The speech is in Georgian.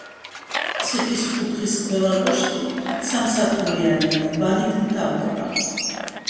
ციხის კუთხის ყველა კოშკი სამსართულიანია და ბანით მთავრდებოდა.